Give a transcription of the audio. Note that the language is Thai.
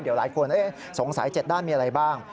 เดี๋ยวหลายคนสงสัย๗ด้านมีอะไรบ้าง